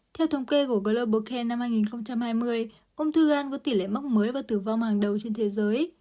theo thống kê của global can năm hai nghìn hai mươi ung thư gan có tỷ lệ mắc mới và tử vong hàng đầu trên thế giới